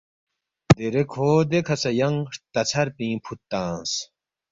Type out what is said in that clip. دیرے کھو دیکھہ سہ ینگ ہرتا ژھر پِنگ فُود تنگس